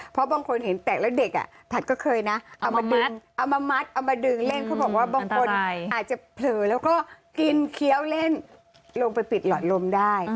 เพราะฉะนั้นเขาบอกว่าบางคนอาจจะเผลอแล้วก็กินเคี้ยวเล่นลงไปปิดหลอดลมได้